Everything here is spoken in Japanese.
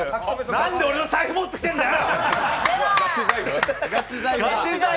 なんで俺の財布持ってきてんだよ！